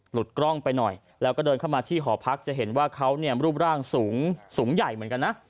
กล้องไปหน่อยแล้วก็เดินเข้ามาที่หอพักจะเห็นว่าเขาเนี่ยรูปร่างสูงสูงใหญ่เหมือนกันนะ